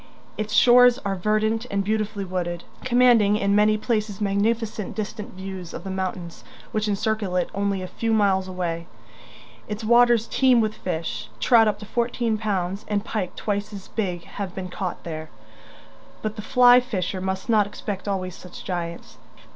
Its shores are verdant and beautifully wooded, commanding in many places magnificent distant views of the mountains which encircle it only a few miles away. Its waters teem with fish; trout up to fourteen pounds and pike twice as big have been caught there but the flyfisher must not expect always such giants.